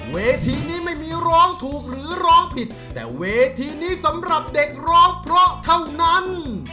เวทีนี้ไม่มีร้องถูกหรือร้องผิดแต่เวทีนี้สำหรับเด็กร้องเพราะเท่านั้น